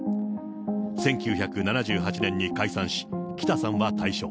１９７８年に解散し、北さんは退所。